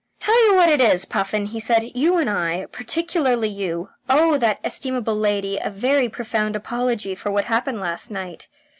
"Tell you what it is, Puffin," he said. "You and I, particularly you, owe that estimable lady a very profound apology for what happened last night.